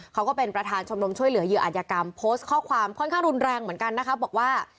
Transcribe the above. ก็เป็นประธานชมรมช่วยเหลือเหยื่ออาจยกรรมโพสต์ข้อความค่อนข้างรุนแรงเหมือนกันนะคะบอกว่า